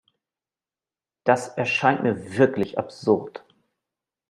Das erscheint mir wirklich absurd.